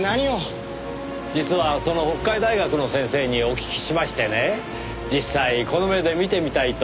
実はその北海大学の先生にお聞きしましてね実際この目で見てみたいと。